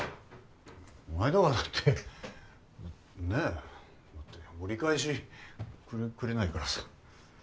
こないだはだってねぇだって折り返しくれくれないからさ。